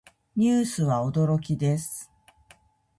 ニュースは驚きです。